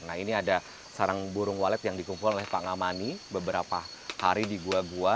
nah ini ada sarang burung walet yang dikumpul oleh pak ngamani beberapa hari di gua gua